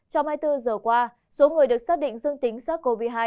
trong hai mươi bốn giờ qua số người được xác định dương tính sars cov hai